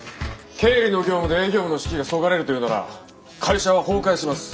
経理の業務で営業部の士気がそがれるというなら会社は崩壊します。